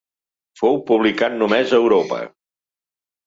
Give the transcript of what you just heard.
Fou publicat només a Europa.